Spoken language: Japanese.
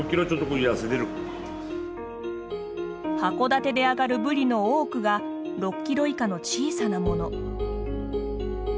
函館で揚がるブリの多くが６キロ以下の小さなもの。